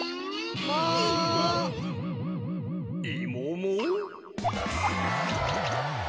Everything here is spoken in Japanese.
「いもも」？